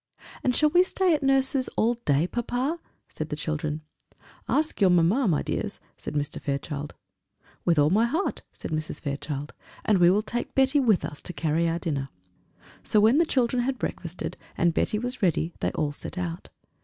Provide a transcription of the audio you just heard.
"And shall we stay at Nurse's all day, papa?" said the children. "Ask your mamma, my dears," said Mr. Fairchild. "With all my heart," said Mrs. Fairchild; "and we will take Betty with us to carry our dinner." So when the children had breakfasted, and Betty was ready, they all set out.